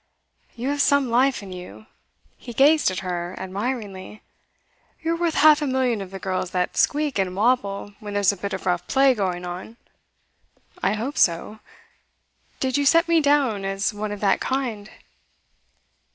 'You have some life in you.' He gazed at her admiringly. 'You're worth half a million of the girls that squeak and wobble when there's a bit of rough play going on.' 'I hope so. Did you set me down as one of that kind?